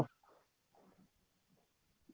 atau katanya evaluasi tahunan gitu